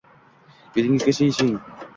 Belingizgacha yechining.